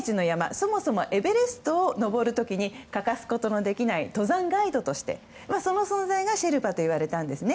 そもそもエベレストを登る時に欠かすことのできない登山ガイドとしてその存在がシェルパといわれたんですね。